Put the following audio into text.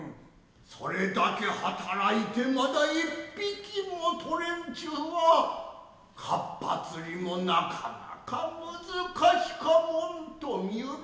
それだけ働いてまだ一匹も獲れんちゅうはかっぱ釣りもなかなかむずかしかもんと見ゆる。